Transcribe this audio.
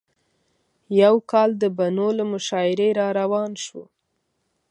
یو کال د بنو له مشاعرې راروان شوو.